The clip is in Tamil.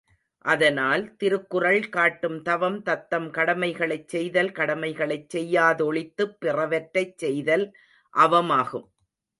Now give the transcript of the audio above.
அதனால், திருக்குறள் காட்டும் தவம் தத்தம் கடமைகளைச் செய்தல் கடமைகளைச் செய்யா தொழித்துப் பிறவற்றைச் செய்தல் அவமாகும்.